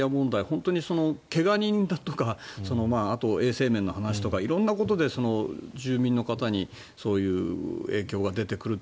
本当に怪我人だとかあと、衛生面の話とか色んなことで住民の方にそういう影響が出てくる。